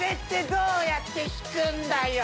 どうやってひくんだよ？